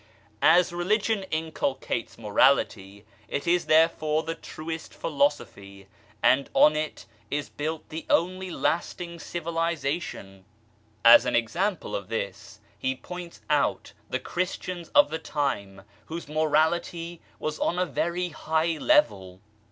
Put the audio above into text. As Religion inculcates morality, it is therefore the truest philosophy, and on it is built the only lasting civilization. As an example of this, he points out the THE SUN OF TRUTH 27 Christians of the time whose morality was on a very high level.